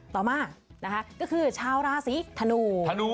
ต่อมาก็คือชาวราศิธนู